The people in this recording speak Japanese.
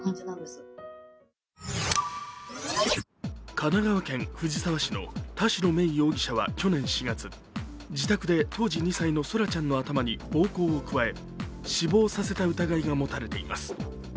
神奈川県藤沢市の田代芽衣容疑者は去年４月、自宅で当時２歳の空来ちゃんの頭に暴行を加え、死亡させた疑いが持たれています。